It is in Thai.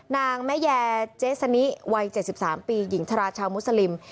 นางแม่แยเจสนิวัย๗๓ปีหญิงชราชาวมุสลิม